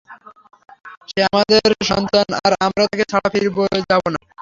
সে আমাদের সন্তান আর আমরা তাকে ছাড়া ফিরে যাবো না।